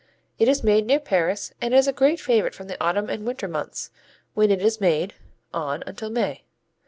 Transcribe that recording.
It is made near Paris and is a great favorite from the autumn and winter months, when it is made, on until May.